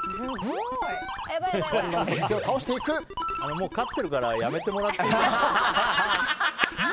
もう勝ってるからやめてもらっても。